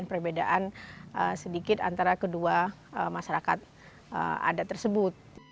perbedaan sedikit antara kedua masyarakat adat tersebut